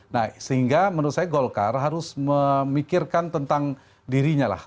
nah sehingga menurut saya golkar harus memikirkan tentang dirinya lah